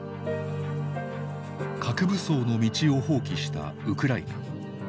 核武装の道を放棄したウクライナ。